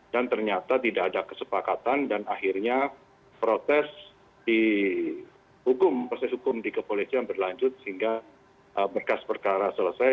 dan ternyata tidak ada kesepakatan dan akhirnya proses hukum di kepolisian berlanjut sehingga berkas perkara selesai